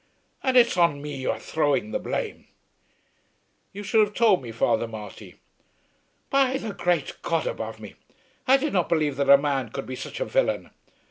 "And it's on me you are throwing the blame?" "You should have told me, Father Marty." "By the great God above me, I did not believe that a man could be such a villain!